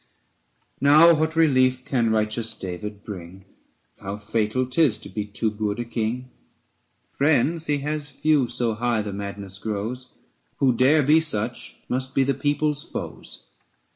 810 Now what relief can righteous David bring ? How fatal 'tis to be too good a king ! Friends he has few, so high the madness grows ; Who dare be such must be the people's foes.